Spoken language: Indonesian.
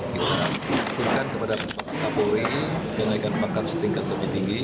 kita suruhkan kepada pangkat polres yang naikkan pangkat setingkat lebih tinggi